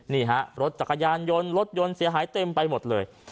นี่ฮะรถจักรยานยนต์รถยนต์เสียหายเต็มไปหมดเลย